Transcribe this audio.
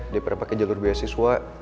daripada pake jalur beasiswa